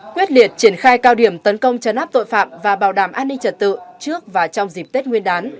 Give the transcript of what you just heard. quyết liệt triển khai cao điểm tấn công chấn áp tội phạm và bảo đảm an ninh trật tự trước và trong dịp tết nguyên đán